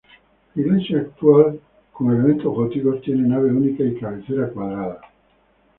La iglesia actual, con elementos góticos, tiene nave única y cabecera cuadrada.